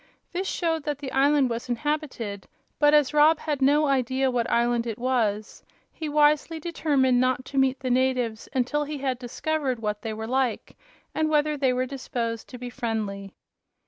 This showed that the island was inhabited, but as Rob had no idea what island it was he wisely determined not to meet the natives until he had discovered what they were like and whether they were disposed to be friendly.